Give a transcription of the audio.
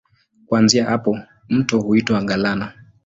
Kuanzia hapa mto huitwa Galana.